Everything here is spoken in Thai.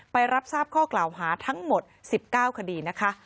รับทราบข้อกล่าวหาทั้งหมด๑๙คดีนะคะ